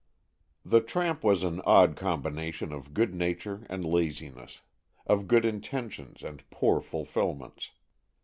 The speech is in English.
The tramp was an odd combination of good nature and laziness; of good intentions and poor fulfilments.